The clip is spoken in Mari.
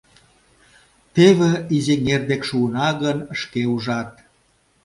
Теве Изеҥер дек шуына гын, шке ужат.